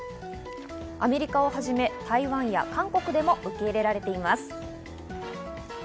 アメリカをはじめ、台湾や韓国でも受け入れられています。